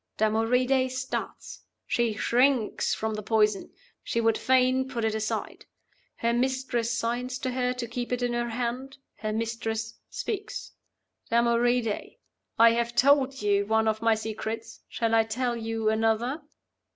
(Damoride starts; she shrinks from the poison; she would fain put it aside. Her mistress signs to her to keep it in her hand; her mistress speaks.) 'Damoride, I have told you one of my secrets; shall I tell you another?